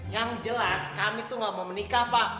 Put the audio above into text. yang jelas kami itu gak mau menikah pak